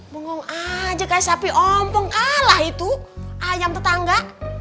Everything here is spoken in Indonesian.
bungkong aja kayak sapi om pengkalah itu ayam tetangga